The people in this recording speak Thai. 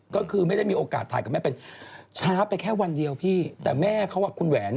ก็คือไม่ได้มีโอกาสถ่ายกับแม่เป็นช้าไปแค่วันเดียวพี่แต่แม่เขาอ่ะคุณแหวน